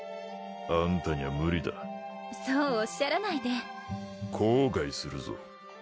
あんたにゃ無理だそうおっしゃらないで後悔するぞ